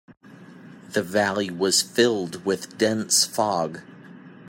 The valley was filled with dense fog.